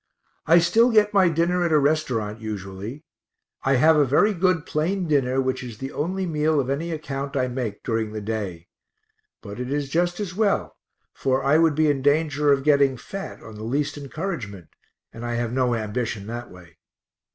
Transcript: I still get my dinner at a restaurant usually. I have a very good plain dinner, which is the only meal of any account I make during the day; but it is just as well, for I would be in danger of getting fat on the least encouragement, and I have no ambition that way.